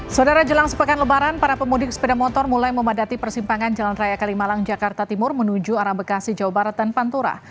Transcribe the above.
saudara jelang sepekan lebaran para pemudik sepeda motor mulai memadati persimpangan jalan raya kalimalang jakarta timur menuju arah bekasi jawa barat dan pantura